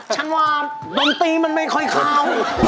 ฉันว่าดนตรีมันไม่ค่อยเข้า